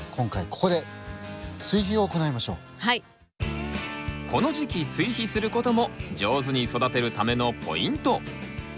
この時期追肥する事も上手に育てるためのポイント。